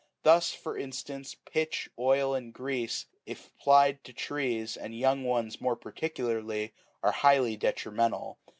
Thus, for instance, pitch, oil, and grease,8 if ap plied to trees, and young ones more particularly, are highly detrimental.